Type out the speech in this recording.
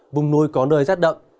vùng núi có nơi rát đậm